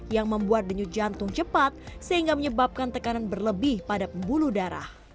yang membuat denyut jantung cepat sehingga menyebabkan tekanan berlebih pada pembuluh darah